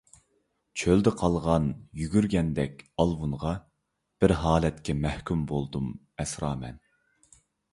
چۆلدە قالغان يۈگۈرگەندەك ئالۋۇنغا، بىر ھالەتكە مەھكۇم بولدۇم، ئەسرامەن.